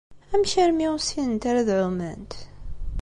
Amek armi ur ssinent ara ad ɛument?